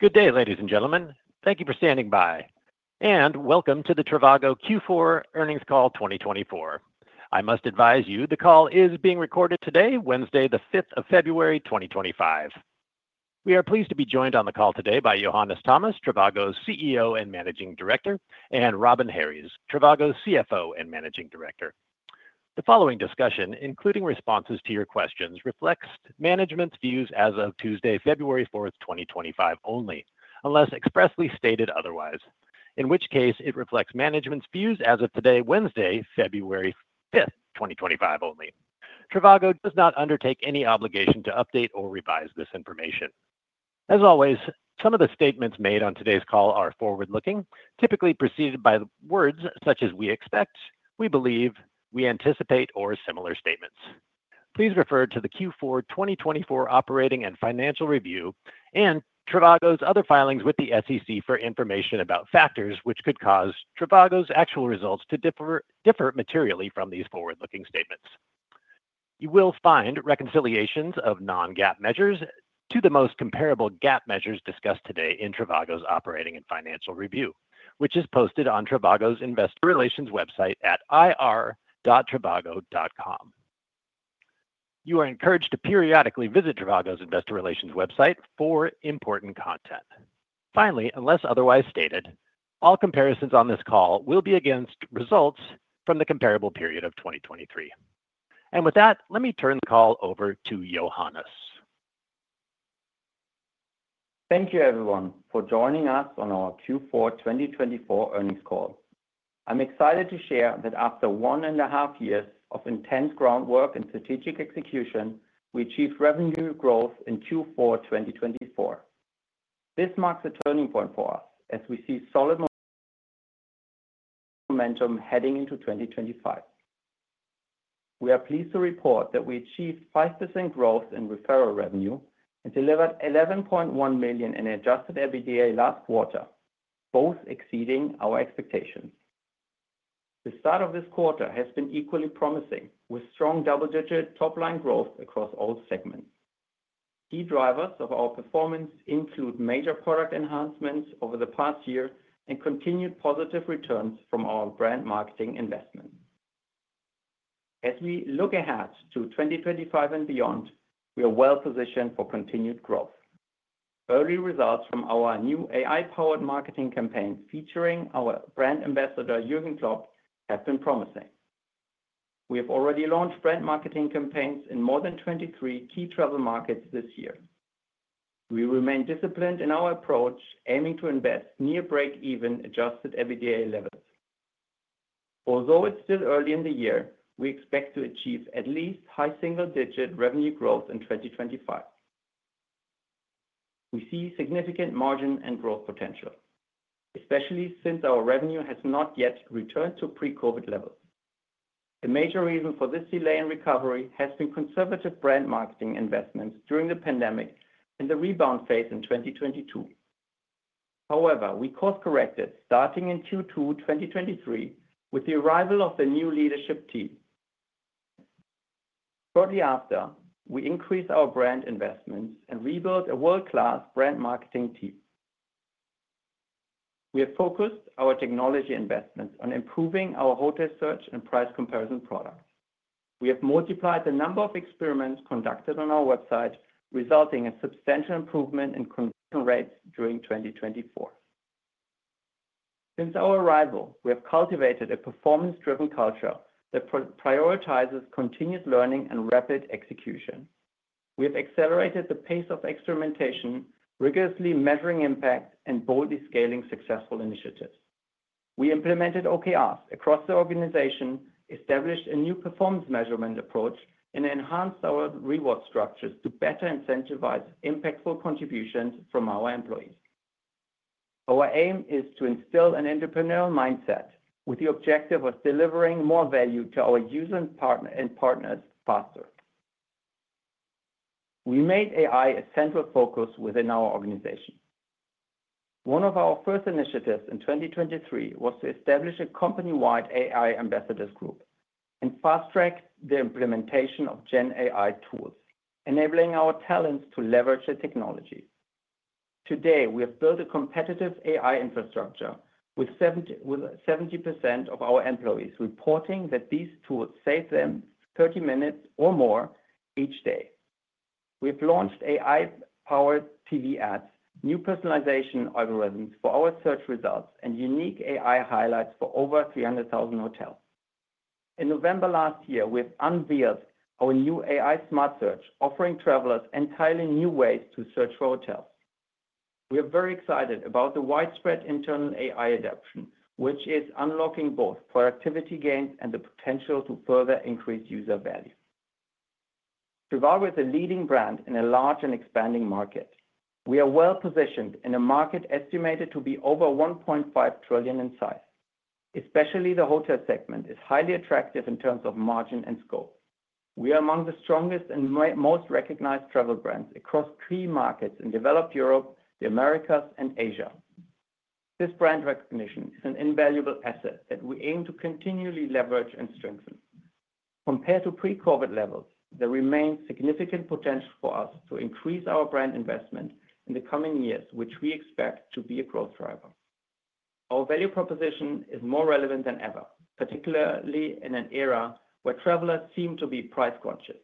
Good day, ladies and gentlemen. Thank you for standing by, and welcome to the Trivago Q4 Earnings Call 2024. I must advise you the call is being recorded today, Wednesday, the 5th of February, 2025. We are pleased to be joined on the call today by Johannes Thomas, Trivago's CEO and Managing Director, and Robin Harries, Trivago's CFO and Managing Director. The following discussion, including responses to your questions, reflects management's views as of Tuesday, February 4th, 2025 only, unless expressly stated otherwise, in which case it reflects management's views as of today, Wednesday, February 5th, 2025 only. Trivago does not undertake any obligation to update or revise this information. As always, some of the statements made on today's call are forward-looking, typically preceded by words such as "we expect," "we believe," "we anticipate," or similar statements. Please refer to the Q4 2024 Operating and Financial Review and Trivago's other filings with the SEC for information about factors which could cause Trivago's actual results to differ materially from these forward-looking statements. You will find reconciliations of non-GAAP measures to the most comparable GAAP measures discussed today in Trivago's Operating and Financial Review, which is posted on Trivago's Investor Relations website at ir.trivago.com. You are encouraged to periodically visit Trivago's Investor Relations website for important content. Finally, unless otherwise stated, all comparisons on this call will be against results from the comparable period of 2023. With that, let me turn the call over to Johannes. Thank you, everyone, for joining us on our Q4 2024 Earnings Call. I'm excited to share that after one and a half years of intense groundwork and strategic execution, we achieved revenue growth in Q4 2024. This marks a turning point for us as we see solid momentum heading into 2025. We are pleased to report that we achieved 5% growth in referral revenue and delivered 11.1 million in adjusted EBITDA last quarter, both exceeding our expectations. The start of this quarter has been equally promising, with strong double-digit top-line growth across all segments. Key drivers of our performance include major product enhancements over the past year and continued positive returns from our brand marketing investment. As we look ahead to 2025 and beyond, we are well positioned for continued growth. Early results from our new AI-powered marketing campaigns featuring our brand ambassador, Jürgen Klopp, have been promising. We have already launched brand marketing campaigns in more than 23 key travel markets this year. We remain disciplined in our approach, aiming to invest near break-even Adjusted EBITDA levels. Although it is still early in the year, we expect to achieve at least high single-digit revenue growth in 2025. We see significant margin and growth potential, especially since our revenue has not yet returned to pre-COVID levels. The major reason for this delay in recovery has been conservative brand marketing investments during the pandemic and the rebound phase in 2022. However, we course-corrected starting in Q2 2023 with the arrival of the new leadership team. Shortly after, we increased our brand investments and rebuilt a world-class brand marketing team. We have focused our technology investments on improving our Hotel Search and Price Comparison products. We have multiplied the number of experiments conducted on our website, resulting in substantial improvement in conversion rates during 2024. Since our arrival, we have cultivated a performance-driven culture that prioritizes continued learning and rapid execution. We have accelerated the pace of experimentation, rigorously measuring impact and boldly scaling successful initiatives. We implemented OKRs across the organization, established a new performance measurement approach, and enhanced our reward structures to better incentivize impactful contributions from our employees. Our aim is to instill an entrepreneurial mindset with the objective of delivering more value to our users and partners faster. We made AI a central focus within our organization. One of our first initiatives in 2023 was to establish a company-wide AI ambassadors group and fast-track the implementation of GenAI tools, enabling our talents to leverage the technology. Today, we have built a competitive AI infrastructure with 70% of our employees reporting that these tools save them 30 minutes or more each day. We have launched AI-powered TV ads, new personalization algorithms for our search results, and unique AI highlights for over 300,000 hotels. In November last year, we have unveiled our new AI Smart Search, offering travelers entirely new ways to search for hotels. We are very excited about the widespread internal AI adoption, which is unlocking both productivity gains and the potential to further increase user value. Trivago is a leading brand in a large and expanding market. We are well positioned in a market estimated to be over $1.5 trillion in size. Especially the hotel segment is highly attractive in terms of margin and scope. We are among the strongest and most recognized travel brands across key markets in Developed Europe, the Americas, and Asia. This brand recognition is an invaluable asset that we aim to continually leverage and strengthen. Compared to pre-COVID levels, there remains significant potential for us to increase our brand investment in the coming years, which we expect to be a growth driver. Our value proposition is more relevant than ever, particularly in an era where travelers seem to be price-conscious.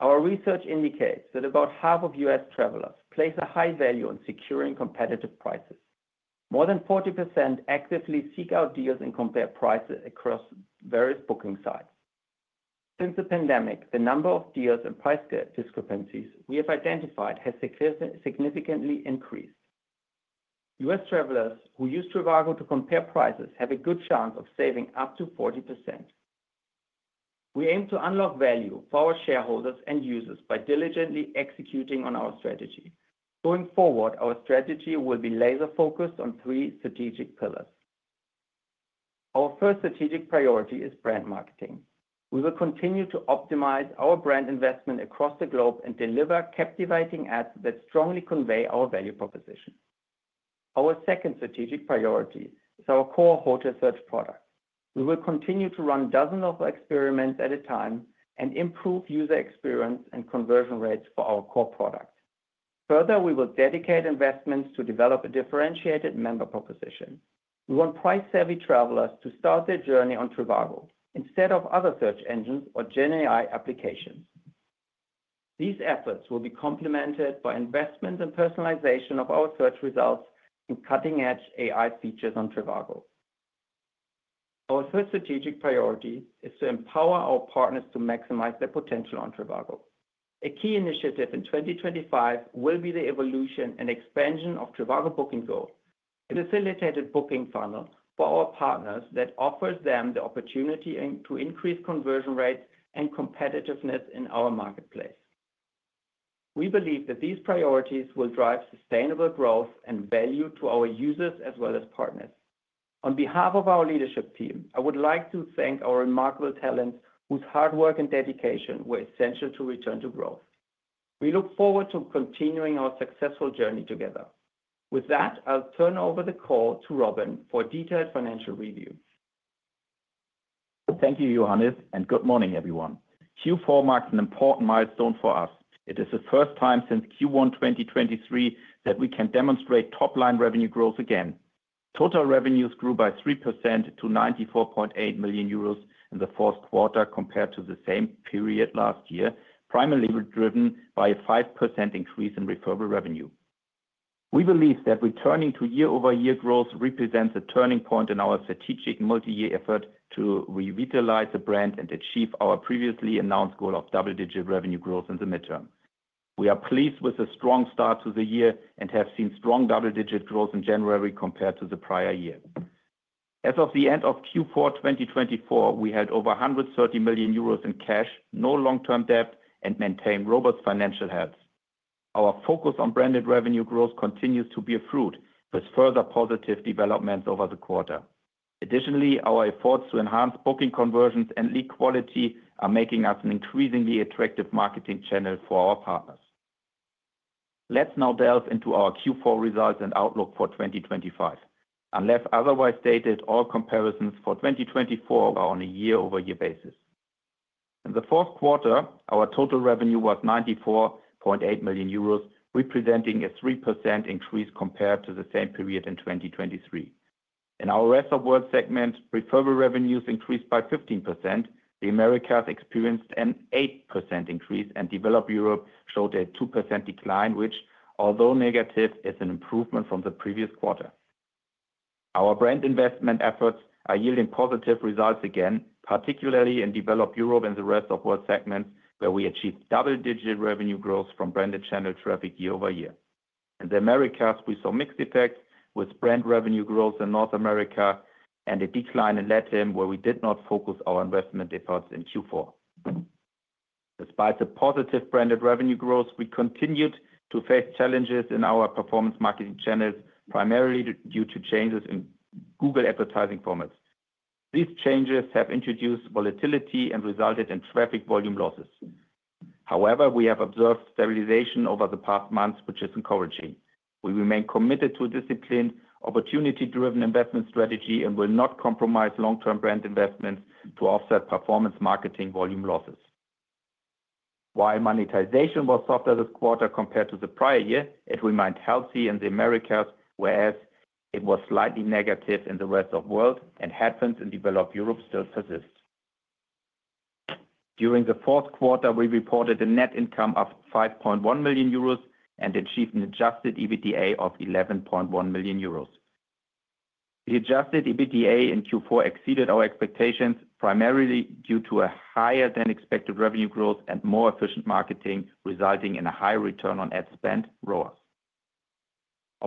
Our research indicates that about half of U.S. travelers place a high value on securing competitive prices. More than 40% actively seek out deals and compare prices across various booking sites. Since the pandemic, the number of deals and price discrepancies we have identified has significantly increased. U.S. travelers who use Trivago to compare prices have a good chance of saving up to 40%. We aim to unlock value for our shareholders and users by diligently executing on our strategy. Going forward, our strategy will be laser-focused on three strategic pillars. Our first strategic priority is brand marketing. We will continue to optimize our brand investment across the globe and deliver captivating ads that strongly convey our value proposition. Our second strategic priority is our core hotel search product. We will continue to run dozens of experiments at a time and improve user experience and conversion rates for our core product. Further, we will dedicate investments to develop a differentiated member proposition. We want price-savvy travelers to start their journey on Trivago instead of other search engines or GenAI applications. These efforts will be complemented by investment and personalization of our search results and cutting-edge AI features on Trivago. Our third strategic priority is to empower our partners to maximize their potential on Trivago. A key initiative in 2025 will be the evolution and expansion of Trivago Booking Go, a facilitated booking funnel for our partners that offers them the opportunity to increase conversion rates and competitiveness in our marketplace. We believe that these priorities will drive sustainable growth and value to our users as well as partners. On behalf of our leadership team, I would like to thank our remarkable talents whose hard work and dedication were essential to return to growth. We look forward to continuing our successful journey together. With that, I'll turn over the call to Robin for a detailed financial review. Thank you, Johannes, and good morning, everyone. Q4 marks an important milestone for us. It is the first time since Q1 2023 that we can demonstrate top-line revenue growth again. Total revenues grew by 3% to 94.8 million euros in the fourth quarter compared to the same period last year, primarily driven by a 5% increase in referral revenue. We believe that returning to year-over-year growth represents a turning point in our strategic multi-year effort to revitalize the brand and achieve our previously announced goal of double-digit revenue growth in the midterm. We are pleased with the strong start to the year and have seen strong double-digit growth in January compared to the prior year. As of the end of Q4 2024, we had over 130 million euros in cash, no long-term debt, and maintained robust financial health. Our focus on branded revenue growth continues to be a fruit, with further positive developments over the quarter. Additionally, our efforts to enhance booking conversions and lead quality are making us an increasingly attractive marketing channel for our partners. Let's now delve into our Q4 results and outlook for 2025. Unless otherwise stated, all comparisons for 2024 are on a year-over-year basis. In the fourth quarter, our total revenue was 94.8 million euros, representing a 3% increase compared to the same period in 2023. In our Rest of the World segment, referral revenues increased by 15%. The Americas experienced an 8% increase, and Developed Europe showed a 2% decline, which, although negative, is an improvement from the previous quarter. Our brand investment efforts are yielding positive results again, particularly in Developed Europe and the Rest of the World segments, where we achieved double-digit revenue growth from branded channel traffic year-over-year. In the Americas, we saw mixed effects, with brand revenue growth in North America and a decline in LatAm, where we did not focus our investment efforts in Q4. Despite the positive branded revenue growth, we continued to face challenges in our performance marketing channels, primarily due to changes in Google advertising formats. These changes have introduced volatility and resulted in traffic volume losses. However, we have observed stabilization over the past months, which is encouraging. We remain committed to a disciplined, opportunity-driven investment strategy and will not compromise long-term brand investments to offset performance marketing volume losses. While monetization was softer this quarter compared to the prior year, it remained healthy in the Americas, whereas it was slightly negative in the rest of the world, and headwinds in Developed Europe still persist. During the fourth quarter, we reported a net income of 5.1 million euros and achieved an adjusted EBITDA of 11.1 million euros. The adjusted EBITDA in Q4 exceeded our expectations, primarily due to a higher-than-expected revenue growth and more efficient marketing, resulting in a high return on ad spend, ROAS.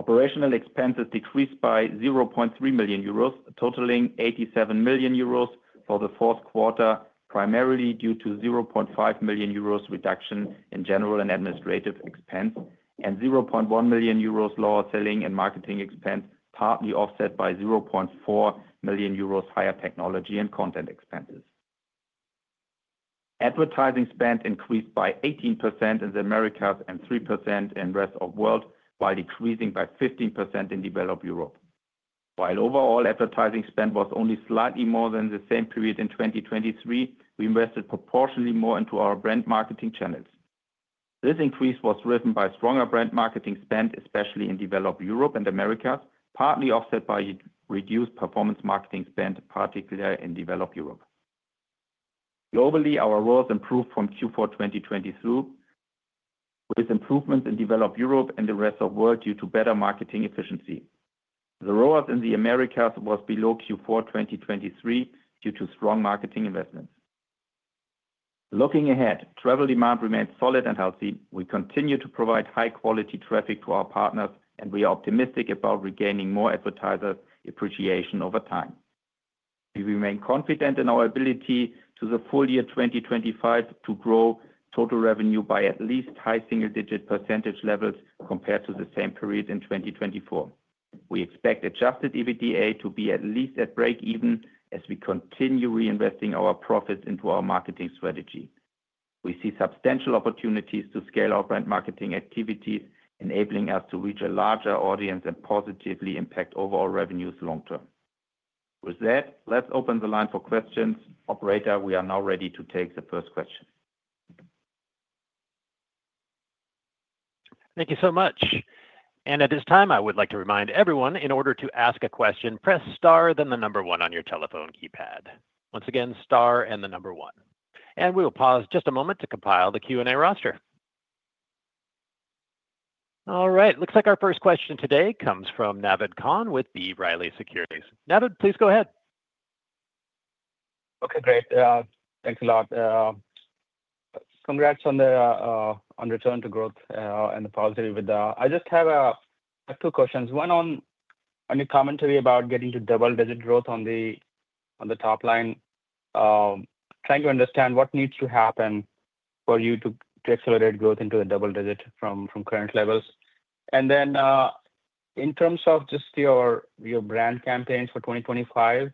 Operational expenses decreased by 0.3 million euros, totaling 87 million euros for the fourth quarter, primarily due to a 0.5 million euros reduction in general and administrative expense, and 0.1 million euros lower selling and marketing expense, partly offset by 0.4 million euros higher technology and content expenses. Advertising spend increased by 18% in the Americas and 3% in the rest of the world, while decreasing by 15% in Developed Europe. While overall advertising spend was only slightly more than the same period in 2023, we invested proportionally more into our brand marketing channels. This increase was driven by stronger brand marketing spend, especially in Developed Europe and the Americas, partly offset by reduced performance marketing spend, particularly in Developed Europe. Globally, our ROAS improved from Q4 2023, with improvements in Developed Europe and the Rest of the World due to better marketing efficiency. The ROAS in the Americas was below Q4 2023 due to strong marketing investments. Looking ahead, travel demand remains solid and healthy. We continue to provide high-quality traffic to our partners, and we are optimistic about regaining more advertiser appreciation over time. We remain confident in our ability in the full year 2025 to grow total revenue by at least high single-digit % levels compared to the same period in 2024. We expect adjusted EBITDA to be at least at break-even as we continue reinvesting our profits into our marketing strategy. We see substantial opportunities to scale our brand marketing activities, enabling us to reach a larger audience and positively impact overall revenues long-term. With that, let's open the line for questions. Operator, we are now ready to take the first question. Thank you so much. At this time, I would like to remind everyone, in order to ask a question, press star then the number one on your telephone keypad. Once again, star and the number one. We will pause just a moment to compile the Q&A roster. All right, it looks like our first question today comes from Naved Khan with B. Riley Securities. Naved, please go ahead. Okay, great. Thanks a lot. Congrats on the return to growth and the positive with that. I just have two questions. One on your commentary about getting to double-digit growth on the top line. Trying to understand what needs to happen for you to accelerate growth into the double digit from current levels. In terms of just your brand campaigns for 2025,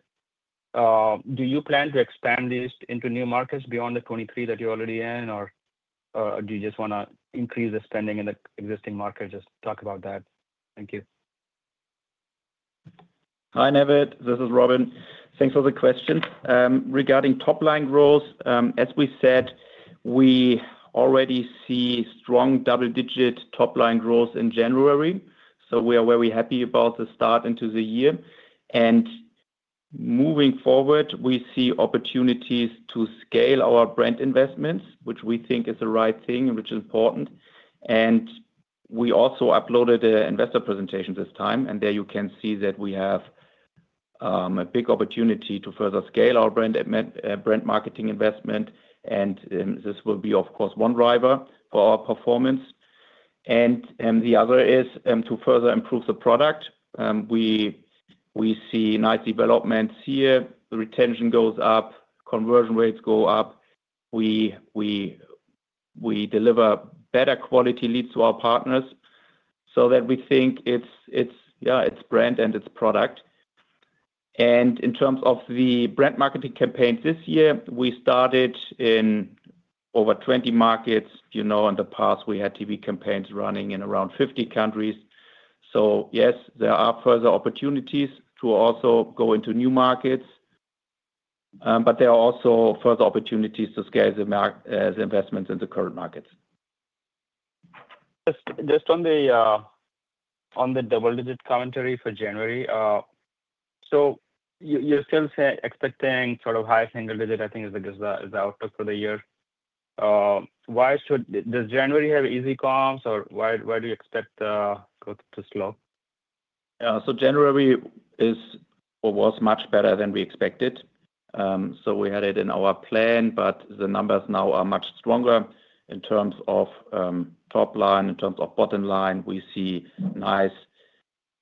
do you plan to expand these into new markets beyond the 23 that you're already in, or do you just want to increase the spending in the existing market? Just talk about that. Thank you. Hi, Naved. This is Robin. Thanks for the question. Regarding top-line growth, as we said, we already see strong double-digit top-line growth in January. We are very happy about the start into the year. Moving forward, we see opportunities to scale our brand investments, which we think is the right thing, which is important. We also uploaded an investor presentation this time, and there you can see that we have a big opportunity to further scale our brand marketing investment. This will be, of course, one driver for our performance. The other is to further improve the product. We see nice developments here. The retention goes up, conversion rates go up. We deliver better quality leads to our partners so that we think it is brand and it is product. In terms of the brand marketing campaigns this year, we started in over 20 markets. In the past, we had TV campaigns running in around 50 countries. Yes, there are further opportunities to also go into new markets, but there are also further opportunities to scale the investments in the current markets. Just on the double-digit commentary for January, you are still expecting sort of high single digit, I think, is the outlook for the year. Does January have easy comps, or why do you expect the growth to slow? January was much better than we expected. We had it in our plan, but the numbers now are much stronger in terms of top line, in terms of bottom line. We see nice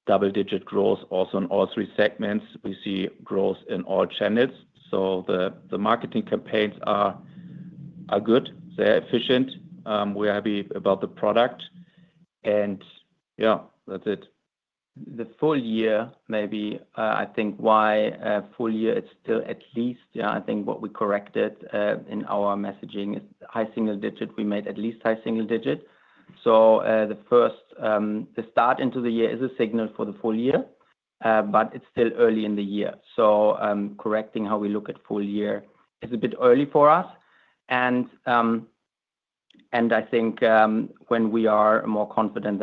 double-digit growth also in all three segments. We see growth in all channels. The marketing campaigns are good. They're efficient. We're happy about the product. Yeah, that's it. The full year, maybe, I think why full year is still at least, yeah, I think what we corrected in our messaging is high single digit. We made at least high single digit. The start into the year is a signal for the full year, but it is still early in the year. Correcting how we look at full year is a bit early for us. I think when we are more confident,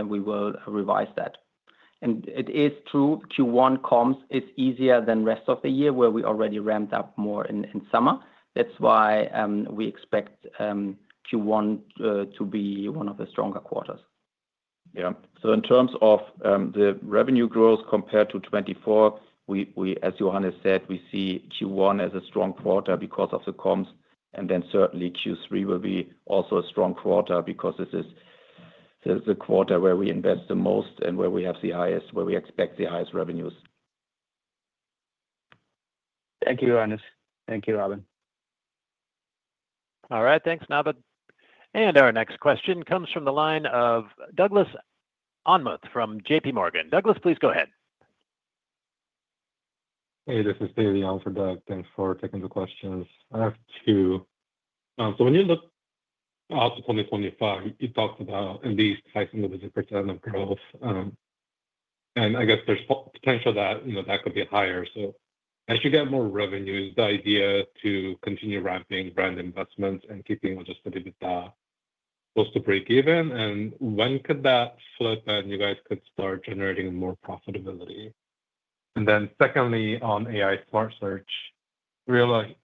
then we will revise that. It is true, Q1 comms is easier than the rest of the year, where we already ramped up more in summer. That is why we expect Q1 to be one of the stronger quarters. Yeah. In terms of the revenue growth compared to 2024, as Johannes said, we see Q1 as a strong quarter because of the comms. Certainly, Q3 will also be a strong quarter because this is the quarter where we invest the most and where we expect the highest revenues. Thank you, Johannes. Thank you, Robin. All right, thanks, Naved. Our next question comes from the line of Douglas Anmuth from JPMorgan. Douglas, please go ahead. Hey, this is Douglas Anmuth. Thanks for taking the questions. I have two. When you look out to 2025, you talked about at least high single-digit % of growth. I guess there's potential that that could be higher. As you get more revenues, the idea to continue ramping brand investments and keeping logistics a bit close to break-even, when could that flip and you guys could start generating more profitability? Secondly, on AI Smart Search, I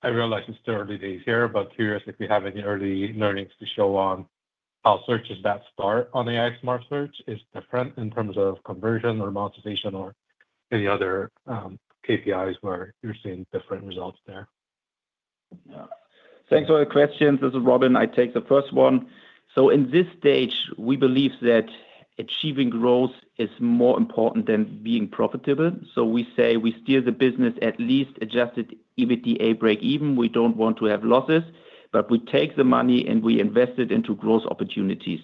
realize it's still early days here, but curious if you have any early learnings to show on how searches that start on AI Smart Search is different in terms of conversion or monetization or any other KPIs where you're seeing different results there. Thanks for the questions. This is Robin. I take the first one. In this stage, we believe that achieving growth is more important than being profitable. We say we steer the business at least adjusted EBITDA break-even. We do not want to have losses, but we take the money and we invest it into growth opportunities.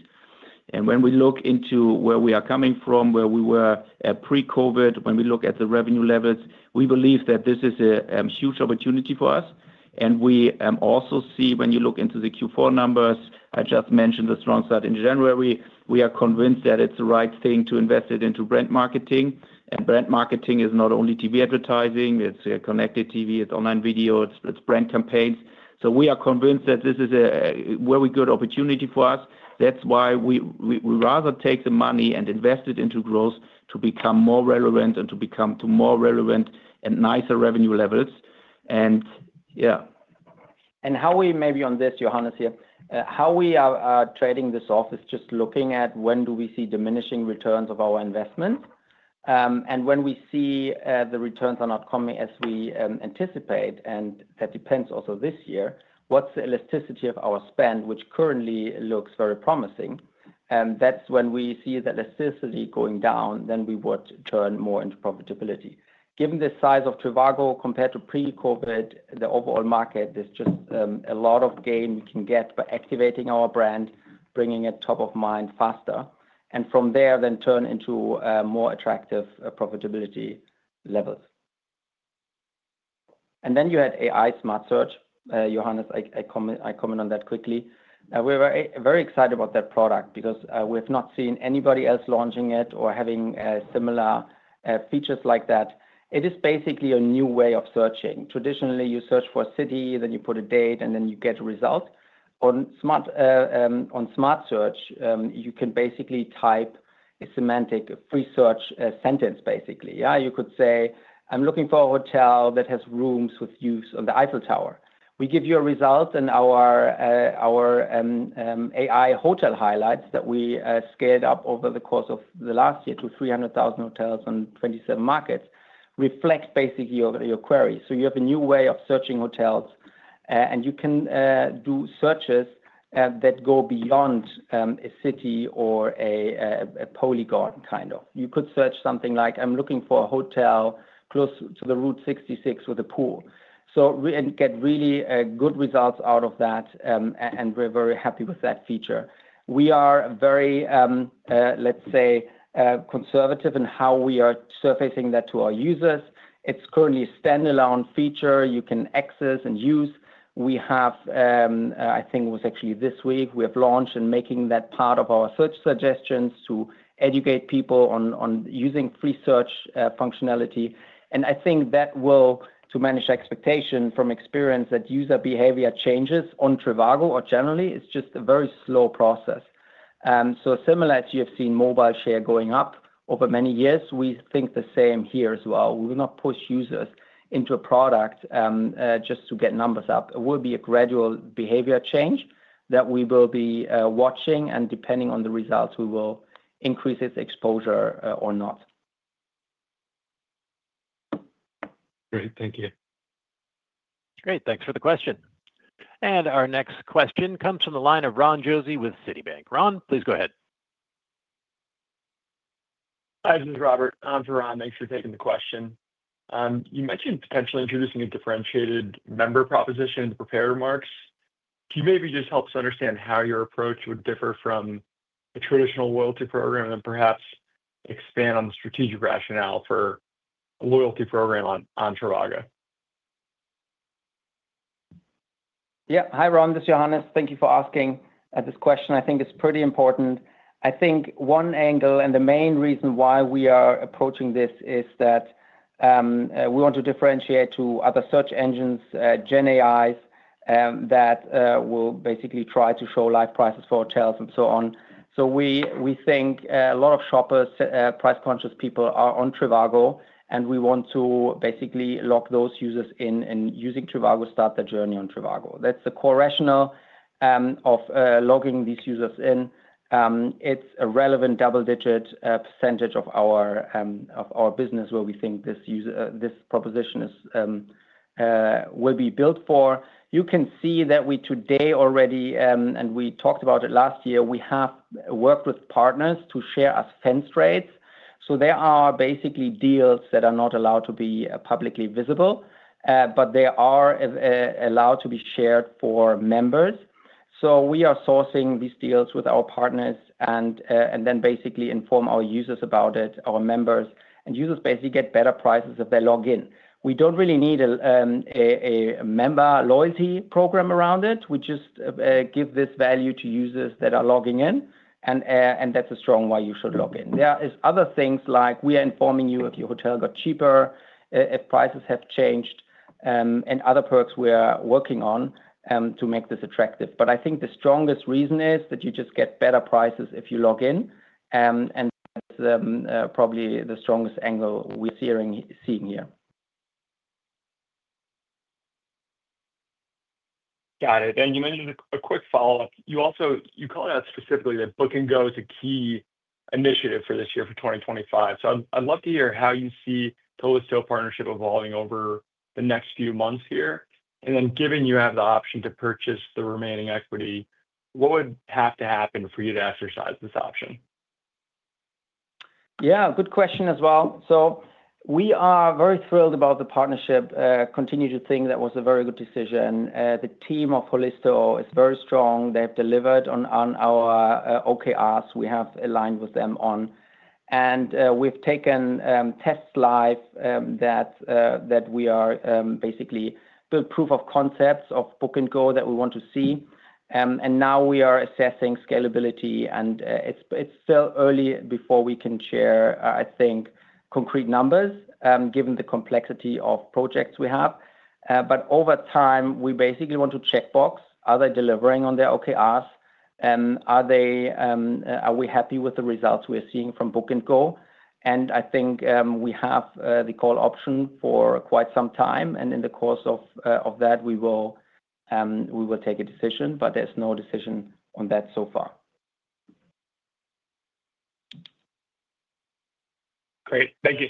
When we look into where we are coming from, where we were pre-COVID, when we look at the revenue levels, we believe that this is a huge opportunity for us. We also see when you look into the Q4 numbers, I just mentioned the strong side in January. We are convinced that it is the right thing to invest it into brand marketing. Brand marketing is not only TV advertising. It is connected TV, it is online video, it is brand campaigns. We are convinced that this is a very good opportunity for us. That is why we rather take the money and invest it into growth to become more relevant and to become to more relevant and nicer revenue levels. And yeah. How we maybe on this, Johannes here, how we are trading this off is just looking at when do we see diminishing returns of our investments. When we see the returns are not coming as we anticipate, and that depends also this year, what's the elasticity of our spend, which currently looks very promising. That's when we see that elasticity going down, we would turn more into profitability. Given the size of Trivago compared to pre-COVID, the overall market is just a lot of gain we can get by activating our brand, bringing it top of mind faster. From there, turn into more attractive profitability levels. You had AI Smart Search. Johannes, I comment on that quickly. We were very excited about that product because we have not seen anybody else launching it or having similar features like that. It is basically a new way of searching. Traditionally, you search for a city, then you put a date, and then you get a result. On Smart Search, you can basically type a semantic free search sentence, basically. You could say, "I'm looking for a hotel that has rooms with views on the Eiffel Tower." We give you a result, and our AI-generated hotel highlights that we scaled up over the course of the last year to 300,000 hotels on 27 markets reflect basically your query. You have a new way of searching hotels, and you can do searches that go beyond a city or a polygon kind of. You could search something like, "I'm looking for a hotel close to the Route 66 with a pool." We get really good results out of that, and we're very happy with that feature. We are very, let's say, conservative in how we are surfacing that to our users. It's currently a standalone feature you can access and use. I think it was actually this week, we have launched and are making that part of our search suggestions to educate people on using free search functionality. I think that will, to manage expectation from experience, that user behavior changes on Trivago or generally, it's just a very slow process. Similar to how you have seen mobile share going up over many years, we think the same here as well. We will not push users into a product just to get numbers up. It will be a gradual behavior change that we will be watching, and depending on the results, we will increase its exposure or not. Great, thank you. Great, thanks for the question. Our next question comes from the line of Ron Josie with Citibank. Ron, please go ahead. Hi, this is Robert. I'm for Ron. Thanks for taking the question. You mentioned potentially introducing a differentiated member proposition in the prepared remarks. Can you maybe just help us understand how your approach would differ from a traditional loyalty program and perhaps expand on the strategic rationale for a loyalty program on Trivago? Yeah, hi, Rob. This is Johannes. Thank you for asking this question. I think it's pretty important. I think one angle and the main reason why we are approaching this is that we want to differentiate to other search engines, GenAIs, that will basically try to show live prices for hotels and so on. We think a lot of shoppers, price-conscious people are on Trivago, and we want to basically lock those users in and using Trivago start their journey on Trivago. That's the core rationale of locking these users in. It's a relevant double-digit percentage of our business where we think this proposition will be built for. You can see that we today already, and we talked about it last year, we have worked with partners to share our fence rates. There are basically deals that are not allowed to be publicly visible, but they are allowed to be shared for members. We are sourcing these deals with our partners and then basically inform our users about it, our members. Users basically get better prices if they log in. We do not really need a member loyalty program around it. We just give this value to users that are logging in, and that is a strong why you should log in. There are other things like we are informing you if your hotel got cheaper, if prices have changed, and other perks we are working on to make this attractive. I think the strongest reason is that you just get better prices if you log in. That is probably the strongest angle we are seeing here. Got it. You mentioned a quick follow-up. You call it out specifically that Book & Go is a key initiative for this year for 2025. I'd love to hear how you see the Holisto partnership evolving over the next few months here. Given you have the option to purchase the remaining equity, what would have to happen for you to exercise this option? Yeah, good question as well. We are very thrilled about the partnership. Continue to think that was a very good decision. The team of Holisto is very strong. They've delivered on our OKRs we have aligned with them on. We've taken tests live that are basically good proof of concepts of Book & Go that we want to see. Now we are assessing scalability, and it's still early before we can share, I think, concrete numbers given the complexity of projects we have. Over time, we basically want to check box, are they delivering on their OKRs? Are we happy with the results we're seeing from Book & Go? I think we have the call option for quite some time. In the course of that, we will take a decision, but there's no decision on that so far. Great, thank you.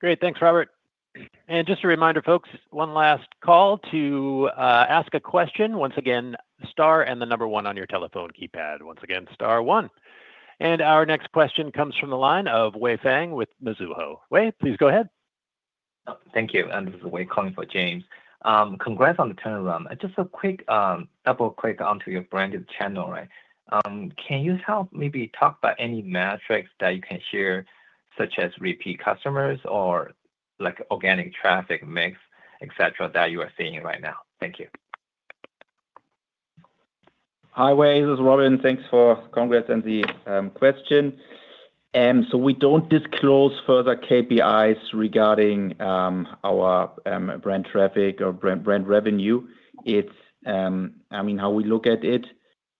Great, thanks, Robert. Just a reminder, folks, one last call to ask a question. Once again, star and the number one on your telephone keypad. Once again, star one. Our next question comes from the line of Wei Fang with Mizuho. Wei, please go ahead. Thank you. I'm Wei Fang for James. Congrats on the turnaround. Just a double click onto your branded channel, right? Can you help maybe talk about any metrics that you can share, such as repeat customers or organic traffic mix, etc., that you are seeing right now? Thank you. Hi Wei, this is Robin. Thanks for congrats and the question. We do not disclose further KPIs regarding our brand traffic or brand revenue. I mean, how we look at it,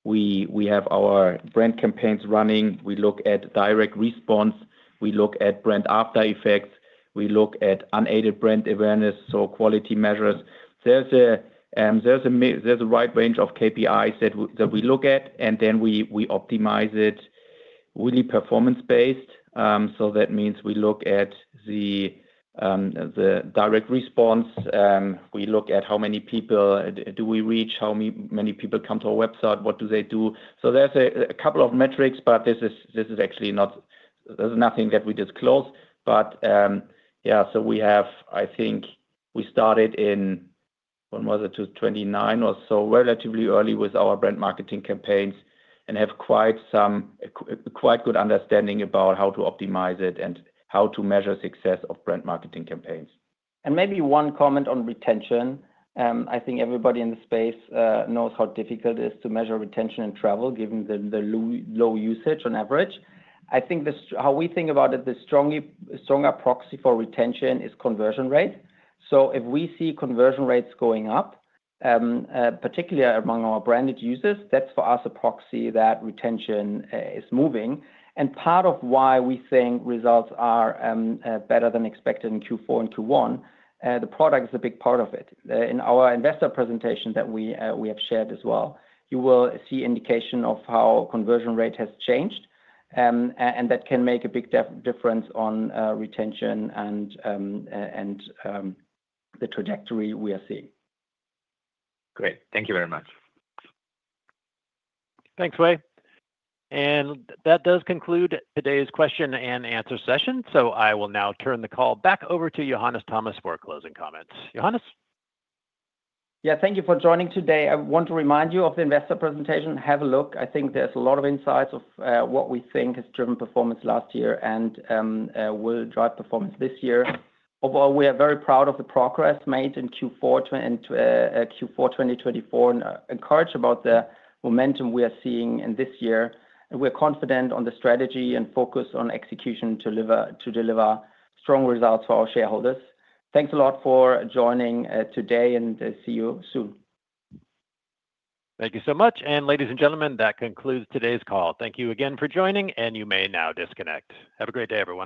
we have our brand campaigns running. We look at direct response. We look at brand after effects. We look at unaided brand awareness, so quality measures. There is a wide range of KPIs that we look at, and then we optimize it really performance-based. That means we look at the direct response. We look at how many people do we reach, how many people come to our website, what do they do. There are a couple of metrics, but this is actually not, there is nothing that we disclose. Yeah, so we have, I think we started in, when was it, 2019 or so, relatively early with our brand marketing campaigns and have quite some quite good understanding about how to optimize it and how to measure success of brand marketing campaigns. Maybe one comment on retention. I think everybody in the space knows how difficult it is to measure retention in travel given the low usage on average. I think how we think about it, the stronger proxy for retention is conversion rate. If we see conversion rates going up, particularly among our branded users, that's for us a proxy that retention is moving. Part of why we think results are better than expected in Q4 and Q1, the product is a big part of it. In our investor presentation that we have shared as well, you will see indication of how conversion rate has changed, and that can make a big difference on retention and the trajectory we are seeing. Great, thank you very much. Thanks, Wei. That does conclude today's question and answer session. I will now turn the call back over to Johannes Thomas for closing comments. Johannes. Yeah, thank you for joining today. I want to remind you of the investor presentation. Have a look. I think there's a lot of insights of what we think has driven performance last year and will drive performance this year. Overall, we are very proud of the progress made in Q4 and Q4 2024 and encouraged about the momentum we are seeing in this year. We are confident on the strategy and focus on execution to deliver strong results for our shareholders. Thanks a lot for joining today and see you soon. Thank you so much. Ladies and gentlemen, that concludes today's call. Thank you again for joining, and you may now disconnect. Have a great day everyone.